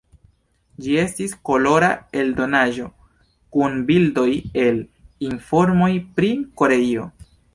Ĝi estis kolora eldonaĵo kun bildoj el, informoj pri Koreio.